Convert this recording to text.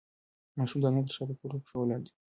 ماشوم د انا تر شا په پټو پښو ولاړ و.